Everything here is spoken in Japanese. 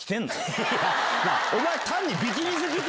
お前。